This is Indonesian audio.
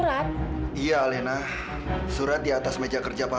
apanya hal itu dengan laki laki kamu